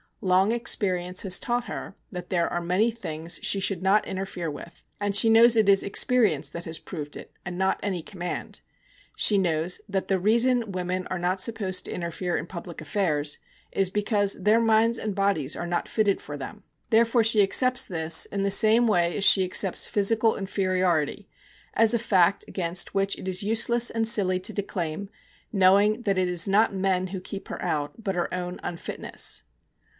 Long experience has taught her that there are many things she should not interfere with; and she knows it is experience that has proved it, and not any command. She knows that the reason women are not supposed to interfere in public affairs is because their minds and bodies are not fitted for them. Therefore she accepts this, in the same way as she accepts physical inferiority, as a fact against which it is useless and silly to declaim, knowing that it is not men who keep her out, but her own unfitness.